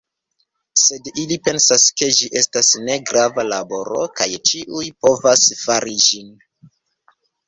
Sed ili pensas ke ĝi estas ne grava laboro kaj ĉiuj povas fari ĝin.